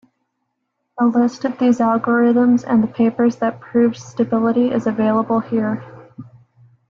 A list of these algorithms and the papers that proved stability is available here.